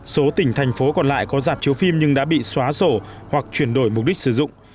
số tỉnh thành phố còn lại có dạp chiếu phim nhưng đã bị xóa sổ hoặc chuyển đổi mục đích sử dụng